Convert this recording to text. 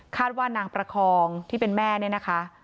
ว่านางประคองที่เป็นแม่เนี่ยนะคะ